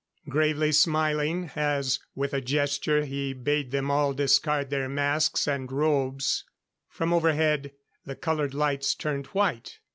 Gravely smiling, as, with a gesture, he bade them all discard their masks and robes. From overhead the colored lights turned white.